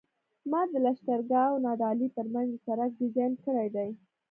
ما د لښکرګاه او نادعلي ترمنځ د سرک ډیزاین کړی دی